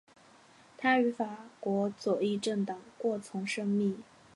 他与法国左翼政党过从甚密。